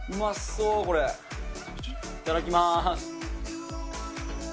いただきます。